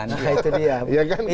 nah itu dia